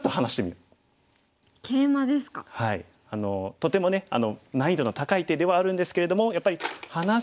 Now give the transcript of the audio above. とても難易度の高い手ではあるんですけれどもやっぱり離す